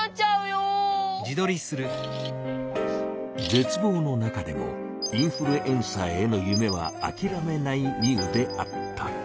ぜつ望のなかでもインフルエンサーへのゆめはあきらめないミウであった。